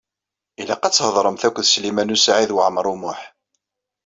Ilaq ad theḍṛemt akked Sliman U Saɛid Waɛmaṛ U Muḥ.